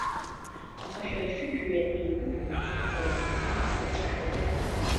Аха шәара шәыжәҩа еибыҭанаҵ, сара акгьы сацәшәом.